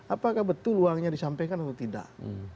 apakah betul uangnya disampaikan atau tidak